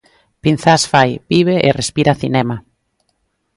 Pinzás fai, vive e respira cinema.